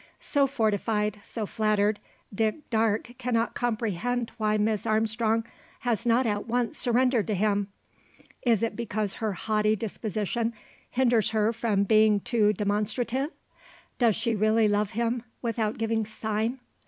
So fortified, so flattered, Dick Darke cannot comprehend why Miss Armstrong has not at once surrendered to him. Is it because her haughty disposition hinders her from being too demonstrative? Does she really love him, without giving sign?